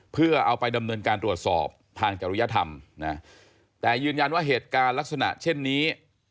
เพื่อเอาไปดำเนินการตรวจสอบทางจริยธรรมนะแต่ยืนยันว่าเหตุการณ์ลักษณะเช่นนี้